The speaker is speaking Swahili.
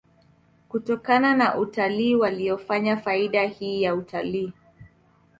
kutokana na utalii waliyoufanya faida hii ya utalii